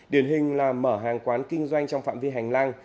điển hình là mở hàng quán kinh doanh trong phạm vi hành lang